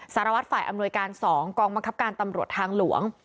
สารวัตรฝ่ายอำนวยการ๒กองบังคับการตำรวจทางหลวง